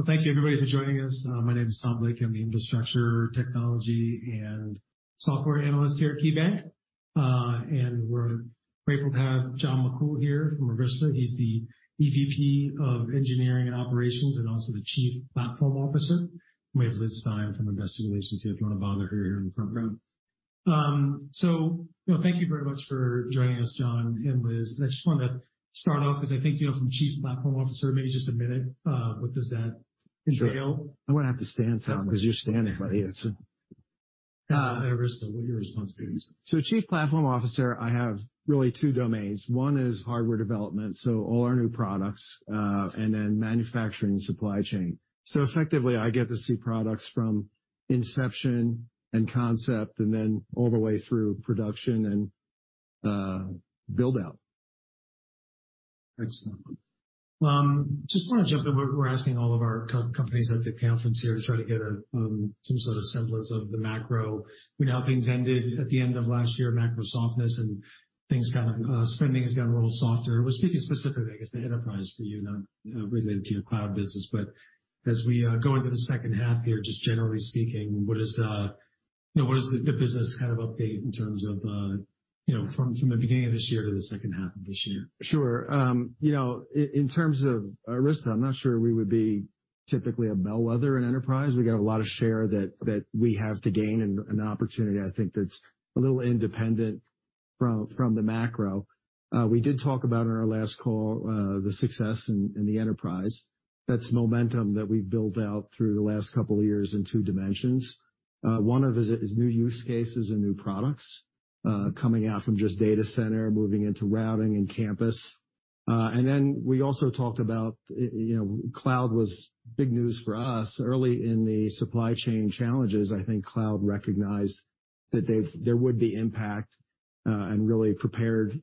Well, thank you, everybody, for joining us. My name is Tom Blakey. I'm the infrastructure, technology, and software analyst here at KeyBanc. We're grateful to have John McCool here from Arista. He's the EVP of Engineering and Operations and also the Chief Platform Officer. We have Liz Stine from Investor Relations here. If you want to bother her, you're in the front row. You know, thank you very much for joining us, John and Liz. I just want to start off, because I think you know, from Chief Platform Officer, maybe just a minute, what does that entail? I'm going to have to stand, Tom, because you're standing, buddy. At Arista, what are your responsibilities? Chief Platform Officer, I have really two domains. One is hardware development, so all our new products, and then manufacturing and supply chain. Effectively, I get to see products from inception and concept and then all the way through production and build-out. Excellent. just want to jump in. We're asking all of our co-companies at the conference here to try to get a, some sort of semblance of the macro. We know how things ended at the end of last year, macro softness and things kind of, spending has gotten a little softer. We're speaking specifically, I guess, to enterprise for you, not related to your cloud business, but as we, go into the second half here, just generally speaking, what is, you know, what is the, the business kind of update in terms of, you know, from, from the beginning of this year to the second half of this year? Sure. you know, in terms of Arista, I'm not sure we would be typically a bellwether in enterprise. We got a lot of share that, that we have to gain and an opportunity I think that's a little independent from, from the macro. We did talk about in our last call, the success in, in the enterprise. That's momentum that we've built out through the last couple of years in 2 dimensions. one of is, is new use cases and new products, coming out from just data center, moving into routing and campus. Then we also talked about, you know, cloud was big news for us. Early in the supply chain challenges, I think cloud recognized that there would be impact, and really prepared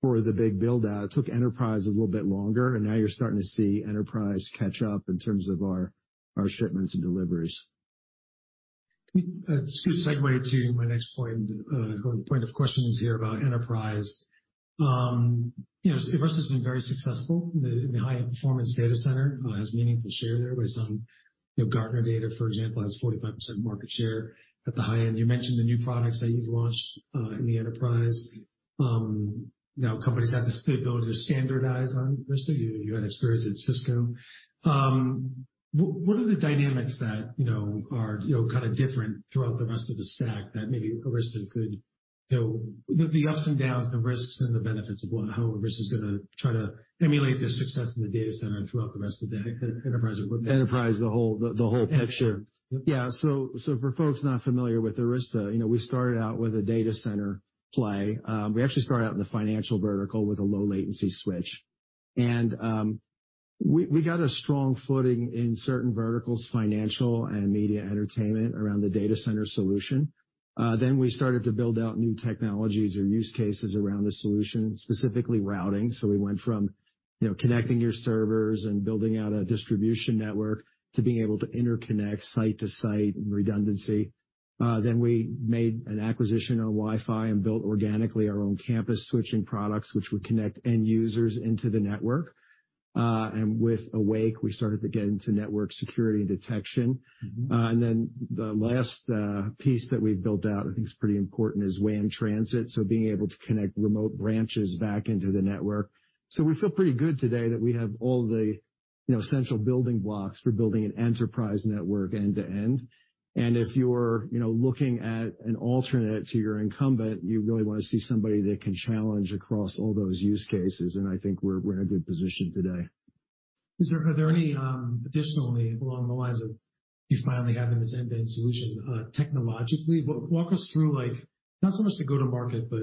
for the big build-out. It took enterprise a little bit longer, and now you're starting to see enterprise catch up in terms of our, our shipments and deliveries. It's a good segue to my next point, point of questions here about enterprise. You know, Arista has been very successful. The high-performance data center has meaningful share there with some, you know, Gartner data, for example, has 45% market share at the high end. You mentioned the new products that you've launched in the enterprise. Now, companies have this ability to standardize on Arista. You, you had experience at Cisco. What, what are the dynamics that, you know, are, you know, kind of different throughout the rest of the stack that maybe Arista could, you know, the ups and downs, the risks and the benefits of what, how Arista is going to try to emulate this success in the data center and throughout the rest of the enterprise? Enterprise, the whole, the whole picture. Yep. Yeah, so, so for folks not familiar with Arista, you know, we started out with a data center play. We actually started out in the financial vertical with a low latency switch. We, we got a strong footing in certain verticals, financial and media entertainment, around the data center solution. We started to build out new technologies or use cases around the solution, specifically routing. We went from, you know, connecting your servers and building out a distribution network to being able to interconnect site to site and redundancy. We made an acquisition on Wi-Fi and built organically our own campus switching products, which would connect end users into the network. With Awake, we started to get into network security and detection. Mm-hmm. The last piece that we've built out, I think is pretty important, is WAN transit, so being able to connect remote branches back into the network. We feel pretty good today that we have all the, you know, essential building blocks for building an enterprise network end to end. If you're, you know, looking at an alternate to your incumbent, you really want to see somebody that can challenge across all those use cases, and I think we're, we're in a good position today. Is there are there any, additionally, along the lines of you finally having this end-to-end solution, technologically? Walk us through, like, not so much the go-to-market, but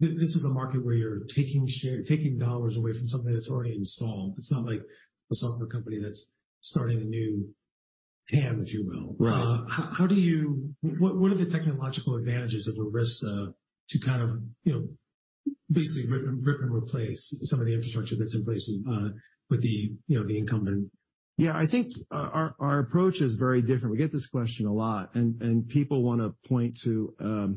this is a market where you're taking share, taking dollars away from something that's already installed. It's not like a software company that's starting a new TAM, if you will. Right. What, what are the technological advantages of Arista to kind of, you know, basically rip, rip and replace some of the infrastructure that's in place, with the, you know, the incumbent? Yeah, I think our, our approach is very different. We get this question a lot, and people want to point to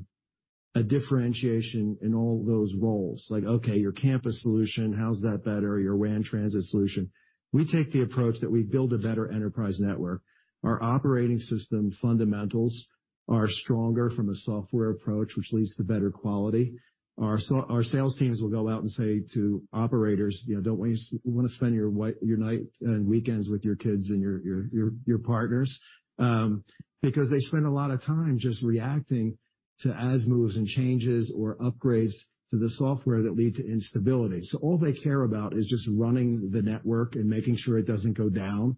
a differentiation in all those roles. Like, okay, your campus solution, how's that better? Your WAN transit solution. We take the approach that we build a better enterprise network. Our operating system fundamentals are stronger from a software approach, which leads to better quality. Our sales teams will go out and say to operators, "You know, don't you want to spend your night and weekends with your kids and your partners?" Because they spend a lot of time just reacting to moves and changes or upgrades to the software that lead to instability. All they care about is just running the network and making sure it doesn't go down.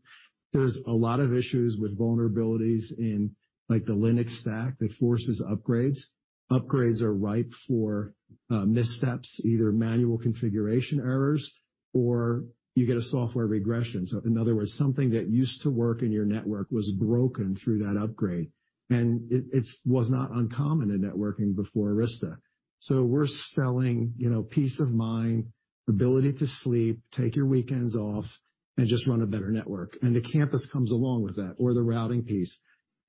There's a lot of issues with vulnerabilities in, like, the Linux stack that forces upgrades. Upgrades are ripe for, missteps, either manual configuration errors, or you get a software regression. In other words, something that used to work in your network was broken through that upgrade, and it, it was not uncommon in networking before Arista. We're selling, you know, peace of mind, ability to sleep, take your weekends off, and just run a better network. The campus comes along with that or the routing piece.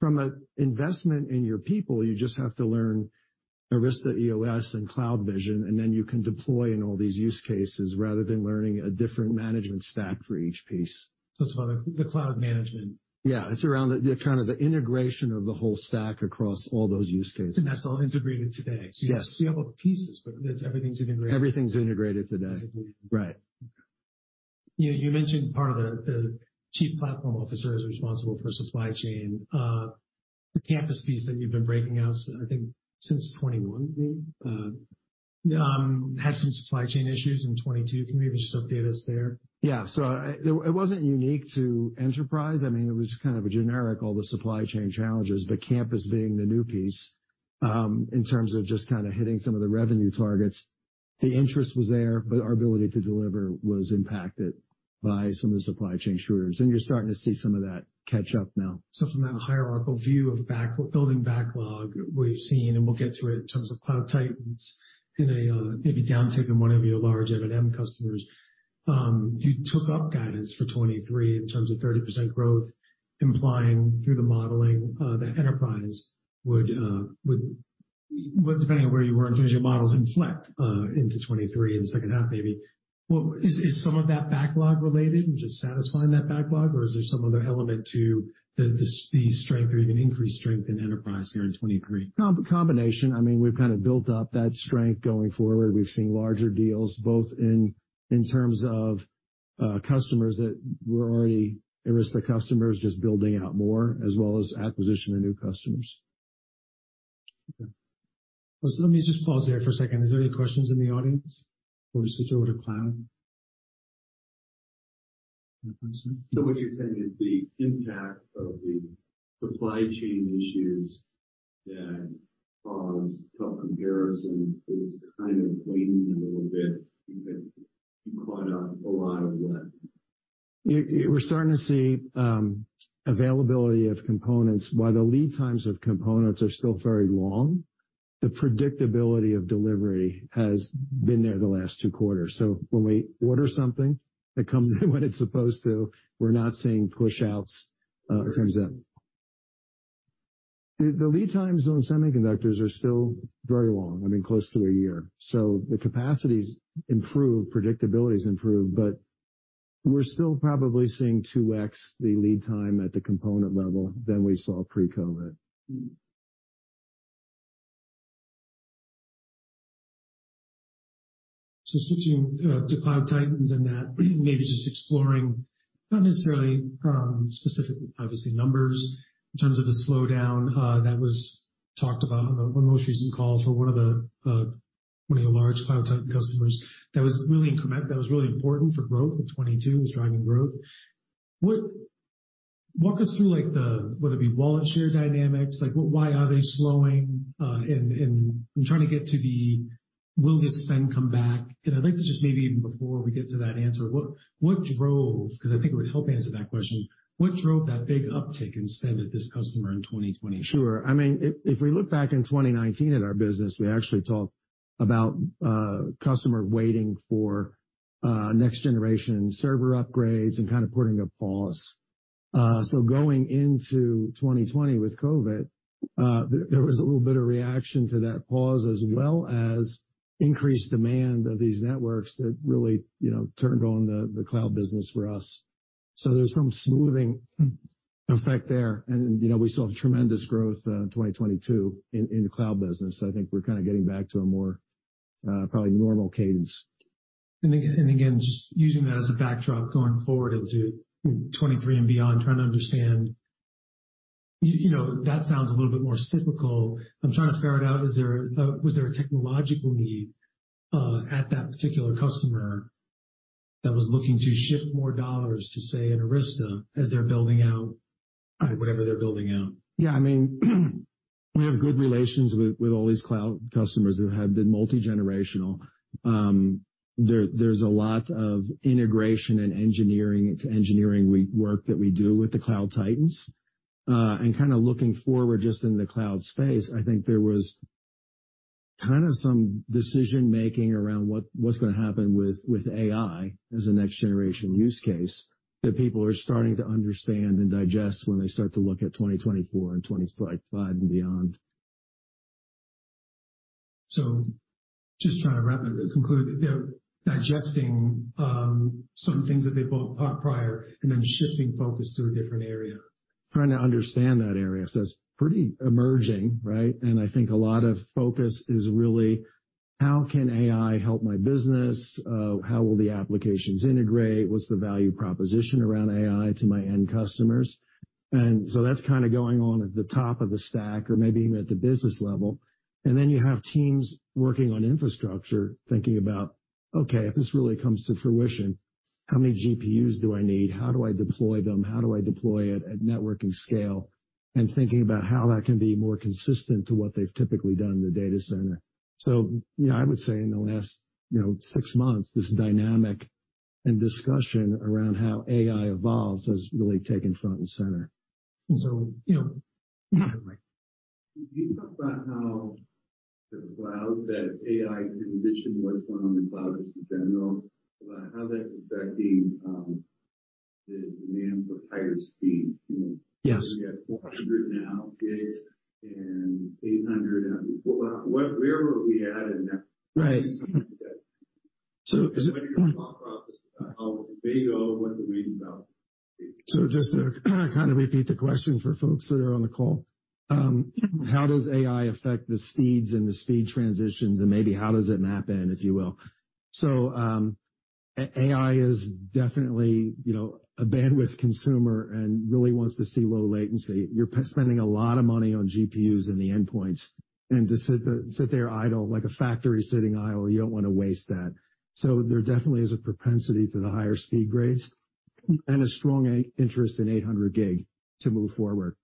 From an investment in your people, you just have to learn Arista EOS and CloudVision, and then you can deploy in all these use cases rather than learning a different management stack for each piece. It's more the cloud management? Yeah, it's around the, kind of, the integration of the whole stack across all those use cases. That's all integrated today. Yes. You have all pieces, but everything's integrated. Everything's integrated today. Basically. Right. You, you mentioned part of the, the Chief Platform Officer is responsible for supply chain. The campus piece that you've been breaking out, I think, since 2021, maybe, had some supply chain issues in 2022. Can you maybe just update us there? Yeah. It, it wasn't unique to enterprise. I mean, it was kind of a generic, all the supply chain challenges, but campus being the new piece, in terms of just kind of hitting some of the revenue targets, the interest was there, but our ability to deliver was impacted by some of the supply chain shortages, and you're starting to see some of that catch up now. From that hierarchical view of back- building backlog we've seen, and we'll get to it in terms of cloud titans in a, maybe downtick in one of your large M&M customers, you took up guidance for 2023 in terms of 30% growth, implying through the modeling, that enterprise would, would, would, depending on where you were in terms of your models, inflect, into 2023, in the second half, maybe. Is, is some of that backlog related, just satisfying that backlog, or is there some other element to the, the, the strength or even increased strength in enterprise there in 2023? Combination. I mean, we've kind of built up that strength going forward. We've seen larger deals, both in, in terms of customers that were already Arista customers, just building out more, as well as acquisition of new customers. Let me just pause there for a second. Is there any questions in the audience before we switch over to cloud? What you're saying is the impact of the supply chain issues that caused tough comparison is kind of waning a little bit. You caught up a lot of what? We're starting to see availability of components. While the lead times of components are still very long, the predictability of delivery has been there the last 2 quarters. When we order something, it comes in when it's supposed to. We're not seeing pushouts in terms of. The lead times on semiconductors are still very long, I mean, close to a year. The capacity's improved, predictability's improved, but we're still probably seeing 2x the lead time at the component level than we saw pre-COVID. Switching to cloud titans and that, maybe just exploring, not necessarily, specific, obviously, numbers in terms of the slowdown that was talked about on the one most recent call for one of the one of your large cloud titan customers. That was really important for growth in 2022, it was driving growth. Walk us through, like, the, whether it be wallet share dynamics, like, why are they slowing? I'm trying to get to the will this spend come back? I'd like to just maybe even before we get to that answer, what drove, because I think it would help answer that question, what drove that big uptick in spend at this customer in 2020? Sure. I mean, if, if we look back in 2019 at our business, we actually talked about customer waiting for next generation server upgrades and kind of putting a pause. Going into 2020 with COVID, there, there was a little bit of reaction to that pause, as well as increased demand of these networks that really, you know, turned on the, the cloud business for us. There's some smoothing effect there, and, you know, we saw tremendous growth in 2022 in, in the cloud business. I think we're kind of getting back to a more, probably normal cadence. Again, and again, just using that as a backdrop, going forward into 23 and beyond, trying to understand, you know, that sounds a little bit more cyclical. I'm trying to ferret out, is there a was there a technological need at that particular customer that was looking to shift more dollars to, say, an Arista as they're building out, whatever they're building out? Yeah, I mean, we have good relations with, with all these cloud customers that have been multigenerational. There, there's a lot of integration and engineering, engineering work that we do with the cloud titans. Kind of looking forward just in the cloud space, I think there was kind of some decision making around what, what's going to happen with, with AI as a next generation use case, that people are starting to understand and digest when they start to look at 2024 and 2025 and beyond. Just trying to wrap it, conclude that they're digesting, some things that they built prior and then shifting focus to a different area. Trying to understand that area. It's pretty emerging, right? I think a lot of focus is really how can AI help my business? How will the applications integrate? What's the value proposition around AI to my end customers? That's kind of going on at the top of the stack or maybe even at the business level. You have teams working on infrastructure, thinking about, okay, if this really comes to fruition, how many GPUs do I need? How do I deploy them? How do I deploy it at networking scale? Thinking about how that can be more consistent to what they've typically done in the data center. You know, I would say in the last, you know, six months, this dynamic and discussion around how AI evolves has really taken front and center. you know. Can you talk about how the cloud, that AI in addition to what's going on in the cloud, just in general, about how that's affecting?... the demand for higher speed. Yes. We have 400 now, gigs and 800, whatever we had in that. Right. How they go, what the read about? Just to kind of repeat the question for folks that are on the call, how does AI affect the speeds and the speed transitions, and maybe how does it map in, if you will? AI is definitely, you know, a bandwidth consumer and really wants to see low latency. You're spending a lot of money on GPUs and the endpoints, and to sit, sit there idle, like a factory sitting idle, you don't want to waste that. There definitely is a propensity to the higher speed grades and a strong interest in 800G to move forward.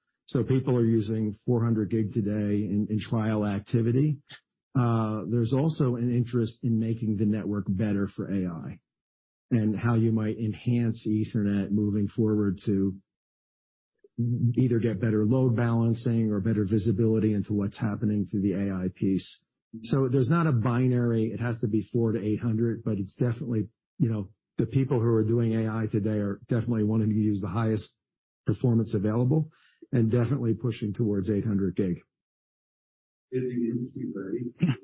People are using 400G today in, in trial activity. There's also an interest in making the network better for AI and how you might enhance Ethernet moving forward to either get better load balancing or better visibility into what's happening through the AI piece. There's not a binary, it has to be 400G-800G, but it's definitely, you know, the people who are doing AI today are definitely wanting to use the highest performance available and definitely pushing towards 800G. Is the industry ready? For the links and everything.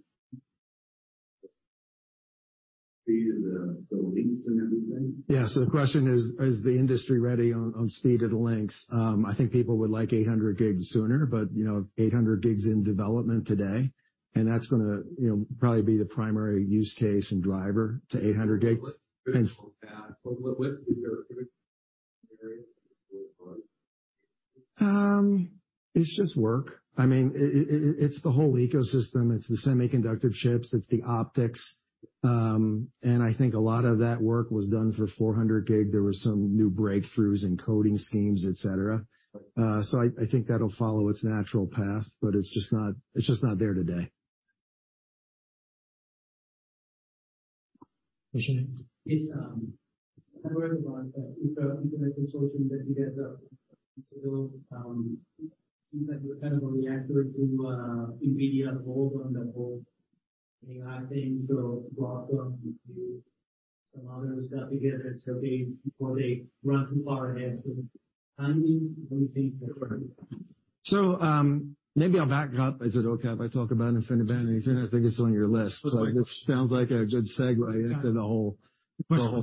Yeah. The question is: Is the industry ready on, on speed of the links? I think people would like 800 gigs sooner, but, you know, 800 gigs in development today, and that's going to, you know, probably be the primary use case and driver to 800 gig. What's the critical path? What, what's the critical area? It's just work. I mean, it, it, it's the whole ecosystem. It's the semiconductor chips, it's the optics. I think a lot of that work was done for 400G. There were some new breakthroughs in coding schemes, et cetera. I, I think that'll follow its natural path, but it's just not, it's just not there today. Vishant? It's, I read about that with the Ethernet Consortium, that you guys are, it seems like it was kind of a reactor to, NVIDIA's role on the whole AI thing. Welcome to some other stuff together. They, before they run too far ahead. I'm wondering what you think about it? Maybe I'll back up. Is it okay if I talk about InfiniBand and Ethernet? I think it's on your list, so it sounds like a good segue into the whole... The whole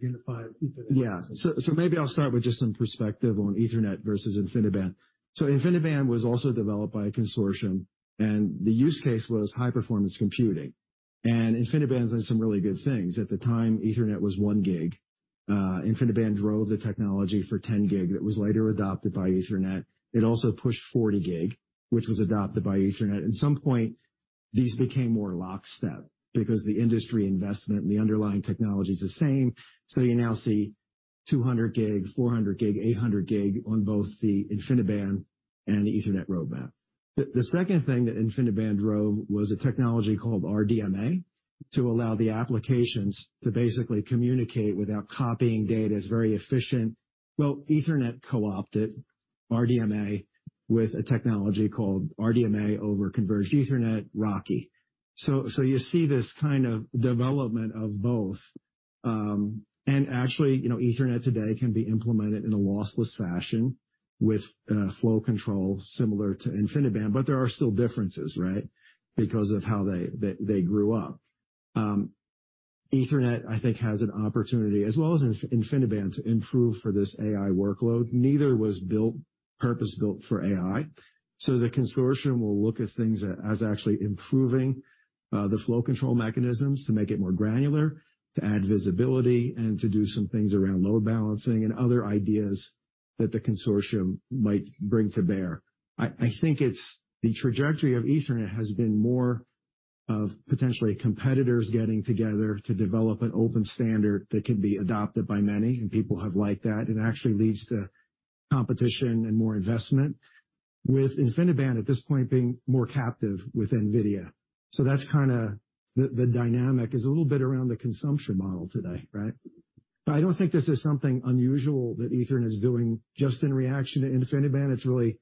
unified Ethernet. Yeah. So maybe I'll start with just some perspective on Ethernet versus InfiniBand. InfiniBand was also developed by a consortium, and the use case was high-performance computing. InfiniBand has some really good things. At the time, Ethernet was 1 gig. InfiniBand drove the technology for 10 gig. That was later adopted by Ethernet. It also pushed 40 gig, which was adopted by Ethernet. At some point, these became more lockstep because the industry investment and the underlying technology is the same. You now see 200 gig, 400 gig, 800 gig on both the InfiniBand and Ethernet roadmap. The second thing that InfiniBand drove was a technology called RDMA, to allow the applications to basically communicate without copying data. It's very efficient. Well, Ethernet co-opted RDMA with a technology called RDMA over Converged Ethernet, RoCE. So you see this kind of development of both. Actually, you know, Ethernet today can be implemented in a lossless fashion with flow control similar to InfiniBand, but there are still differences, right? Because of how they, they, they grew up. Ethernet, I think, has an opportunity, as well as InfiniBand, to improve for this AI workload. Neither was built, purpose-built for AI, so the consortium will look at things as actually improving the flow control mechanisms to make it more granular, to add visibility, and to do some things around load balancing and other ideas that the consortium might bring to bear. I think it's the trajectory of Ethernet has been more of potentially competitors getting together to develop an open standard that can be adopted by many, and people have liked that. It actually leads to competition and more investment. With InfiniBand, at this point, being more captive with NVIDIA. That's kinda the dynamic, is a little bit around the consumption model today, right? I don't think this is something unusual that Ethernet is doing just in reaction to InfiniBand. It's really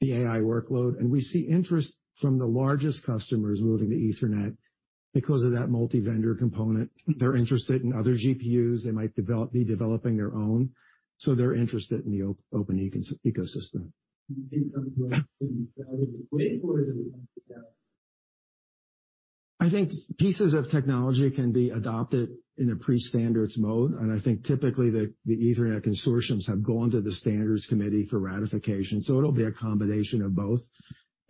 the AI workload, and we see interest from the largest customers moving to Ethernet because of that multi-vendor component. They're interested in other GPUs. They might be developing their own, so they're interested in the open ecosystem. In some way, wait for it? I think pieces of technology can be adopted in a pre-standards mode, and I think typically, the Ethernet consortiums have gone to the standards committee for ratification, so it'll be a combination of both.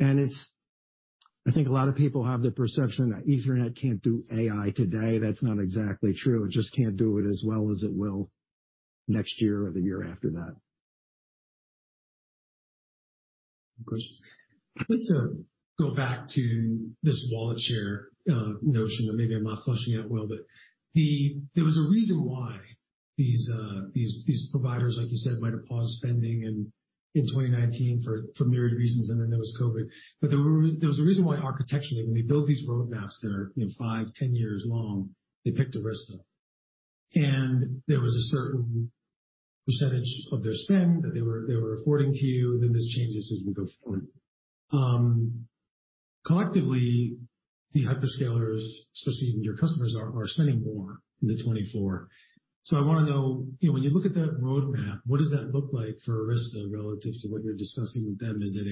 I think a lot of people have the perception that Ethernet can't do AI today. That's not exactly true. It just can't do it as well as it will next year or the year after that. Questions. I'd like to go back to this wallet share notion, that maybe I'm not fleshing out well, but there was a reason why these, these, these providers, like you said, might have paused spending in 2019 for, for myriad reasons, and then there was COVID. There were, there was a reason why, architecturally, when they built these roadmaps that are, you know, five, 10 years long, they picked Arista. There was a certain percentage of their spend that they were, they were affording to you, and then this changes as we go forward. Collectively, the hyperscalers, especially your customers, are, are spending more in 2024. I want to know, you know, when you look at that roadmap, what does that look like for Arista relative to what you're discussing with them? Is it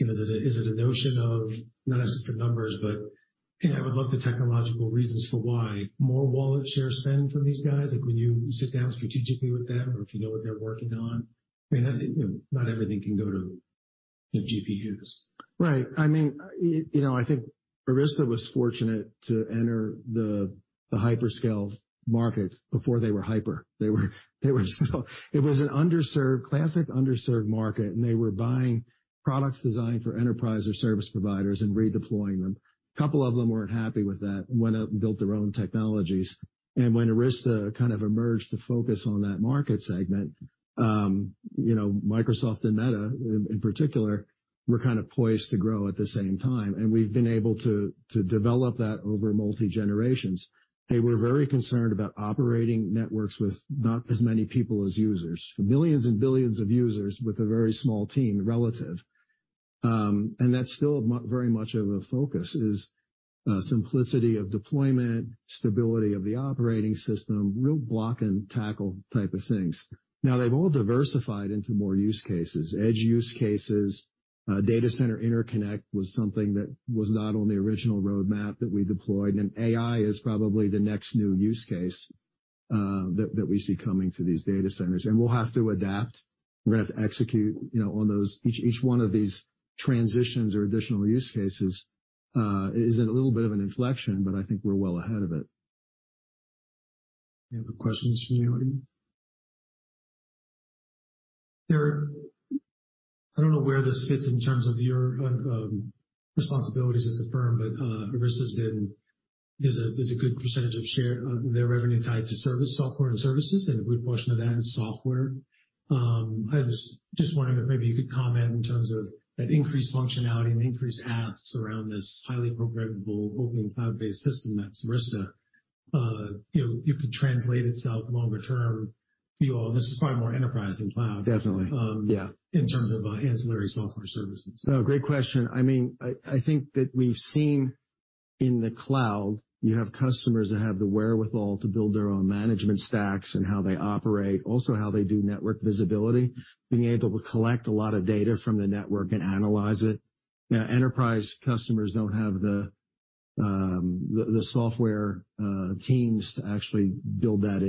a notion of, not asking for numbers, but, you know, I would love the technological reasons for why more wallet share spend from these guys? Like, when you sit down strategically with them or if you know what they're working on, I mean, you know, not everything can go to the GPUs. Right. I mean, you know, I think Arista was fortunate to enter the, the hyperscale market before they were hyper. They were, they were. It was an underserved, classic underserved market, and they were buying products designed for enterprise or service providers and redeploying them. A couple of them weren't happy with that and went out and built their own technologies. When Arista kind of emerged to focus on that market segment, you know, Microsoft and Meta, in, in particular, were kind of poised to grow at the same time, and we've been able to, to develop that over multi-generations. They were very concerned about operating networks with not as many people as users, millions and billions of users with a very small team, relative. That's still very much of a focus, is simplicity of deployment, stability of the operating system, real block-and-tackle type of things. They've all diversified into more use cases. Edge use cases, Data Center Interconnect was something that was not on the original roadmap that we deployed. AI is probably the next new use case that, that we see coming to these data centers. We'll have to adapt. We're going to have to execute, you know, on those. Each, each one of these transitions or additional use cases, is in a little bit of an inflection, but I think we're well ahead of it. Any other questions from the audience? I don't know where this fits in terms of your responsibilities at the firm, but Arista's been, is a good percentage of share of their revenue tied to service, software and services, and a good portion of that is software. I was just wondering if maybe you could comment in terms of that increased functionality and increased asks around this highly programmable, open cloud-based system that's Arista. you know, you could translate itself longer term for you all. This is probably more enterprise than cloud. Definitely, yeah. In terms of, ancillary software services. No, great question. I mean, I, I think that we've seen in the cloud, you have customers that have the wherewithal to build their own management stacks and how they operate, also how they do network visibility, being able to collect a lot of data from the network and analyze it. Enterprise customers don't have the, the software teams to actually build that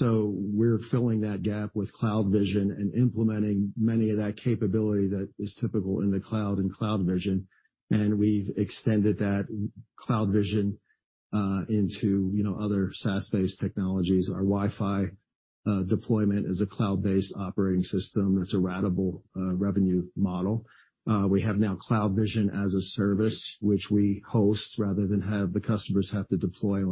in-house. We're filling that gap with CloudVision and implementing many of that capability that is typical in the cloud and CloudVision, and we've extended that CloudVision into, you know, other SaaS-based technologies. Our Wi-Fi deployment is a cloud-based operating system. It's a ratable revenue model. We have now CloudVision as a Service, which we host rather than have the customers have to deploy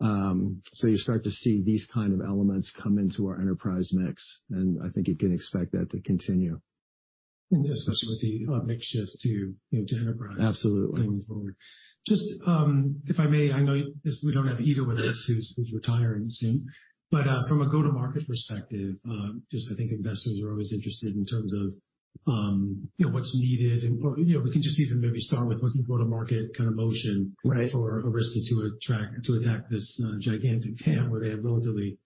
on-prem. You start to see these kind of elements come into our enterprise mix, and I think you can expect that to continue. Especially with the mix shift to, you know, to enterprise. Absolutely. Going forward. Just, if I may, I know this, we don't have either with us who's, who's retiring soon, but, from a go-to-market perspective, just I think investors are always interested in terms of, you know, what's needed and, or, you know, we can just even maybe start with what's the go-to-market kind of motion... Right. for Arista to attract, to attack this gigantic TAM, where they have relatively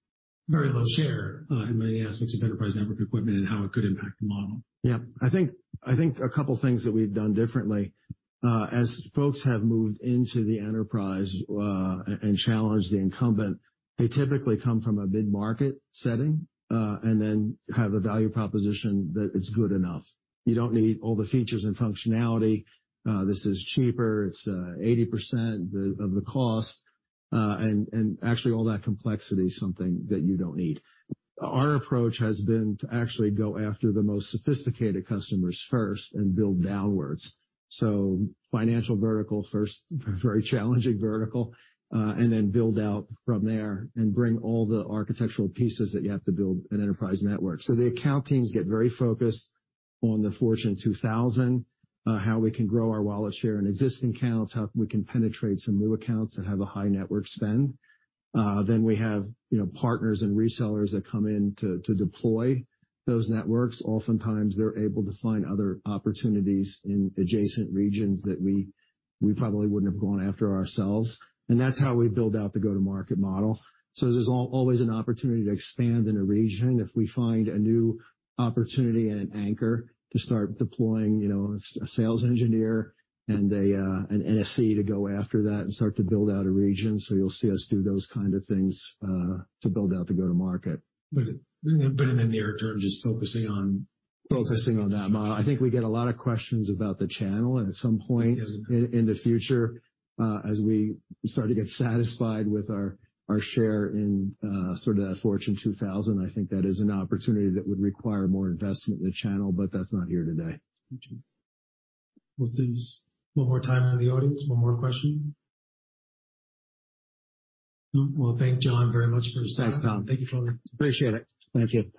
very low share in many aspects of enterprise network equipment and how it could impact the model. Yeah. I think, I think a couple of things that we've done differently, as folks have moved into the enterprise, and challenged the incumbent, they typically come from a mid-market setting, and then have a value proposition that it's good enough. You don't need all the features and functionality. This is cheaper. It's 80% the, of the cost, and actually all that complexity is something that you don't need. Our approach has been to actually go after the most sophisticated customers first and build downwards. Financial vertical first, very challenging vertical, and then build out from there and bring all the architectural pieces that you have to build an enterprise network. The account teams get very focused on the Fortune 2000, how we can grow our wallet share in existing accounts, how we can penetrate some new accounts that have a high network spend. We have, you know, partners and resellers that come in to deploy those networks. Oftentimes, they're able to find other opportunities in adjacent regions that we, we probably wouldn't have gone after ourselves, and that's how we build out the go-to-market model. There's always an opportunity to expand in a region. If we find a new opportunity and an anchor to start deploying, you know, a sales engineer and an NSE to go after that and start to build out a region. You'll see us do those kind of things to build out the go-to-market market. in the near term, just focusing. Focusing on that model. I think we get a lot of questions about the channel, and at some point in the future, as we start to get satisfied with our share in, sort of that Fortune 2000, I think that is an opportunity that would require more investment in the channel, but that's not here today. Well, there's one more time in the audience. One more question? Well, thank John very much for his time. Thanks, Tom. Thank you for coming. Appreciate it. Thank you.